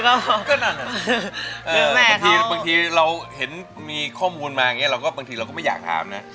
ก็นั่นอ่ะบางทีเราเห็นมีข้อมูลมาบางทีเราก็ไม่อยากถามนะ